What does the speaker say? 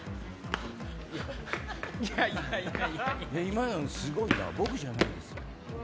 今のすごいな「僕じゃないですよ」。